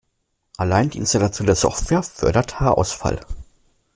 Allein die Installation der Software fördert Haarausfall.